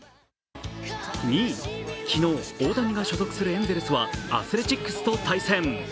２位、昨日、大谷が所属するエンゼルスはアスレチックスと対戦。